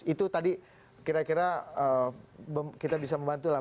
itu tadi kira kira kita bisa membantu lah